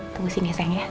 tunggu sini sang ya